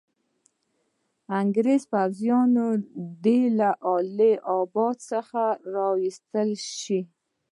انګریزي پوځیان دي له اله اباد څخه را وایستل شي.